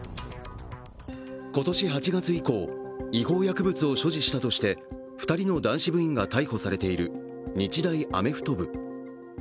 今年８月以降、違法薬物を所持したとして２人の男子部員が逮捕されている日大アメフト部。